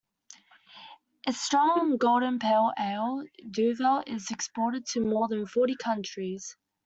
Its strong golden pale ale, Duvel, is exported to more than forty countries.